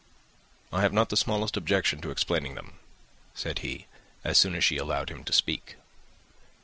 "I have not the smallest objection to explaining them," said he, as soon as she allowed him to speak.